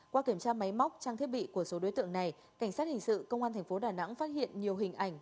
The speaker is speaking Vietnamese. qua kiểm tra máy móc trang thiết bị của số đối tượng này cảnh sát hình sự công an tp đà nẵng phát hiện nhiều hình ảnh